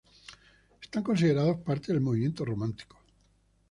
Son considerados parte del movimiento romántico.